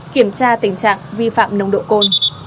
kiểm tra tình trạng vi phạm nồng độ cồn